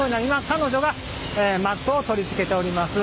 彼女がマットを取り付けております。